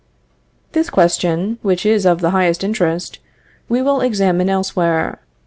This question, which is of the highest interest, we will examine elsewhere.